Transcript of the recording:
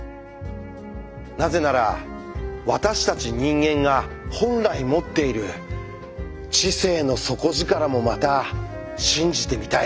なぜなら私たち人間が本来持っている「知性の底力」もまた信じてみたい。